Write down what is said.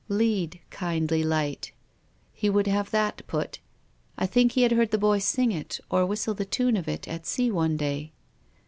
"' Lead, kindly light.' He would have that put. I think he had heard the boy sing it, or whistle the tune of it, at sea one day."